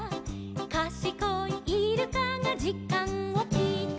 「かしこいイルカがじかんをきいた」